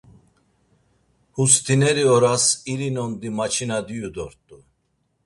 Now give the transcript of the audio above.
Hust̆ineri oras iri nondi maçina diyu dort̆u.